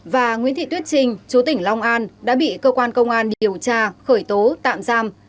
và nguyễn thị tuyết trinh chủ tỉnh long an đã bị cơ quan công an điều tra khởi tố tạm giam